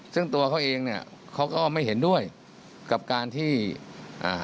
ซึ่งตัวเขาเองเนี้ยเขาก็ไม่เห็นด้วยกับการที่อ่า